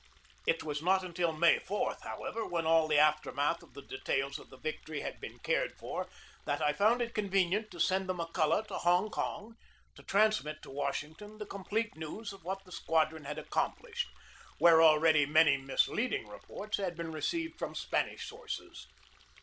It was not until May 4, however, when all the aftermath of the details of the victory had been cared for, that I found it convenient to send the McCulloch to Hong Kong to transmit to Washing ton the complete news of what the squadron had accomplished, where already many misleading reports had been received from Spanish sources.